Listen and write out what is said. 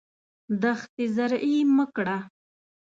دښتې زرعي مه کړه.